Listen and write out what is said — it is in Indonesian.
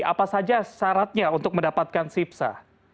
apa saja syaratnya untuk mendapatkan sipsa